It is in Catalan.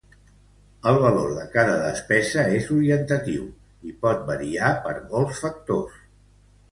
El valor de cada despesa és orientatiu i pot variar per molts factors.